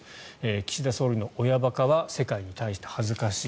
岸田総理の親バカは世界に対して恥ずかしい。